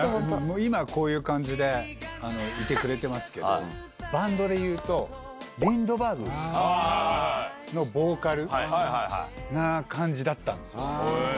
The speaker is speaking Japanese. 今こういう感じでいてくれてますけどバンドでいうとＬＩＮＤＢＥＲＧのボーカルな感じだったんですよ。